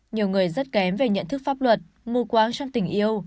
nhiều người rất kém về nhận thức pháp luật mù quáng trong tình yêu